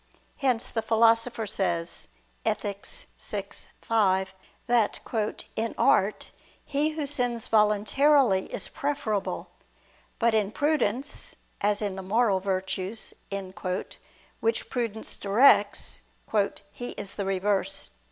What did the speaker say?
Hence the Philosopher says (Ethic. vi, 5) that "in art, he who sins voluntarily is preferable; but in prudence, as in the moral virtues," which prudence directs, "he is the reverse."